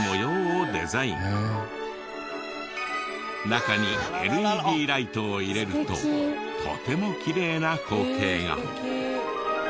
中にＬＥＤライトを入れるととてもきれいな光景が。